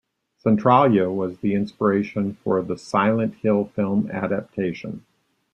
Centralia was the inspiration for the "Silent Hill" film adaptation.